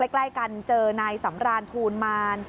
ใกล้กันเจอนายสำรานทูลมาร